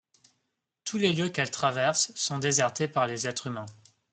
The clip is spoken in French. Tous les lieux qu'elle traverse sont désertés par les êtres humains.